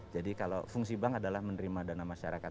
jadi kalau fungsi bank adalah menerima dana masyarakat